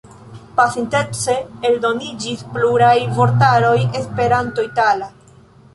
Pasintece eldoniĝis pluraj vortaroj Esperanto-itala.